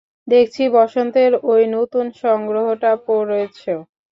দেখছি বসন্তের ওই নতুন সংগ্রহটা পরেছ।